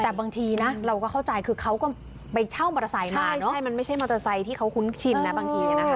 แต่บางทีนะเราก็เข้าใจคือเขาก็ไปเช่ามอเตอร์ไซค์มาเนอะใช่มันไม่ใช่มอเตอร์ไซค์ที่เขาคุ้นชินนะบางทีนะคะ